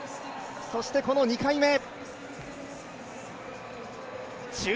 そしてこの２回目。